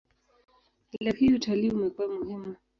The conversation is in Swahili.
Leo hii utalii umekuwa muhimu.